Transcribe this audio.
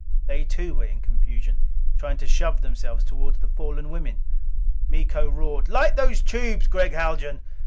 They too, were in confusion, trying to shove themselves toward the fallen women. Miko roared: "Light those tubes! Gregg Haljan!